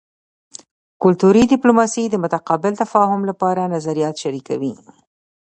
کلتوري ډیپلوماسي د متقابل تفاهم لپاره نظریات شریکوي